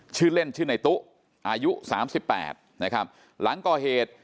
ชื่อเล่นชื่อในตู้อายุสามสิบแปดนะครับหลังก่อเหตุ